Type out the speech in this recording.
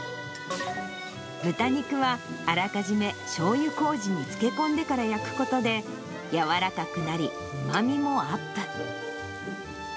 豚肉はあらかじめしょうゆこうじに漬け込んでから焼くことで、軟らかくなり、うまみもアップ。